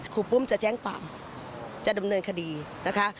รูปุ้มจะแจ้งความจะดำเนินคดีนะคะ